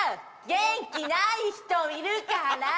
元気ない人いるから！